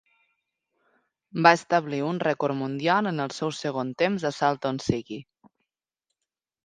Va establir un rècord mundial en el seu segon temps a Salton Sigui.